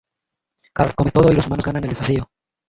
Carl come todo y los humanos ganan el desafío.